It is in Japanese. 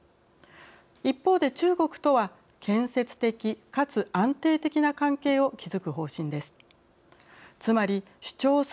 一方で、中国とは建設的かつ安定的な関係を築く方針です。